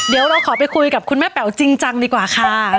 เดี๋ยวเราขอไปคุยกับคุณแม่แป๋วจริงจังดีกว่าค่ะ